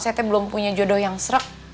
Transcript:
saya belum punya jodoh yang serek